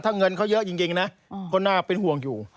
ถ้าเงินเขาเยอะจริงนะก็น่าเป็นห่วงอยู่